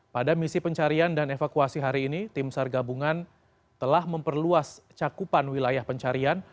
pada misi pencarian dan evakuasi hari ini tim sar gabungan telah memperluas cakupan wilayah pencarian